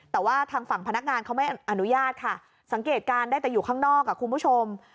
แต่ว่าทางฝั่งพนักงานเขาไม่อนุญาตค่ะสังเกตการณ์ได้แต่อยู่ข้างนอกคุณผู้ชม